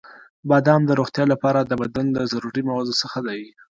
• بادام د روغتیا لپاره د بدن له ضروري موادو څخه دی.